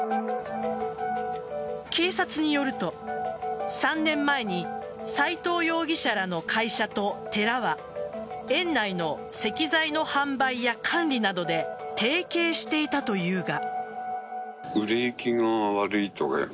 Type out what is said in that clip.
警察によると、３年前に斎藤容疑者らの会社と寺は園内の石材の販売や管理などで提携していたというが。